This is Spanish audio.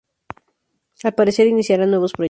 Al parecer iniciara nuevos proyectos.